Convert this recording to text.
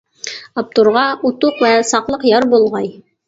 ئاپتورغا ئۇتۇق ۋە ساقلىق يار بولغاي!